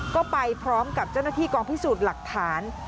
ก็ไปพร้อมกับเจ้าหน้าที่กองพิสูจน์หลักฐาน